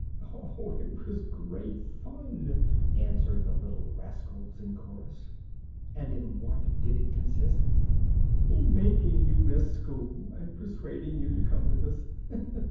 "Oh, it was great fun!" answered the little rascals in chorus. "And in what did it consist?" "In making you miss school and persuading you to come with us.